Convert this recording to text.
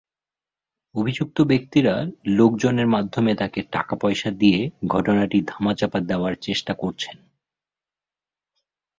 অভিযুক্ত ব্যক্তিরা লোকজনের মাধ্যমে তাঁকে টাকাপয়সা দিয়ে ঘটনাটি ধামাচাপা দেওয়ার চেষ্টা করছেন।